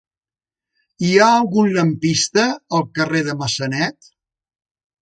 Hi ha algun lampista al carrer de Massanet?